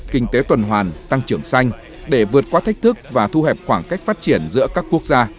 kinh tế tuần hoàn tăng trưởng xanh để vượt qua thách thức và thu hẹp khoảng cách phát triển giữa các quốc gia